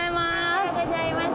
おはようございます。